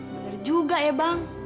bener juga ya bang